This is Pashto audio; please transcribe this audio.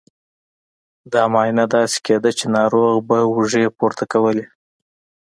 دا معاینه داسې کېده چې ناروغ به اوږې پورته کولې.